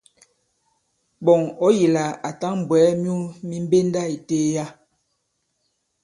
Ɓɔ̀ŋ ɔ̌ yī lā à tǎŋ bwɛ̀ɛ myu mi mbenda ì teliya.